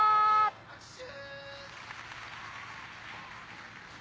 拍手！